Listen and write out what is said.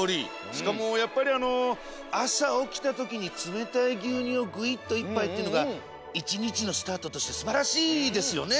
しかもやっぱりあのあさおきたときにつめたいぎゅうにゅうをぐいっと１ぱいっていうのが１にちのスタートとしてすばらしいですよね！